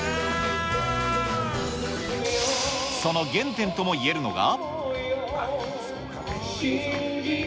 その原点ともいえるのが。